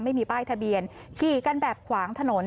ไม่มีป้ายทะเบียนขี่กันแบบขวางถนน